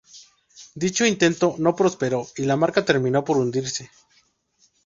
Dicho intento no prosperó y la marca terminó por hundirse.